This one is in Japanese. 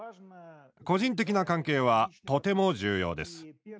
個人的な関係はとても重要です。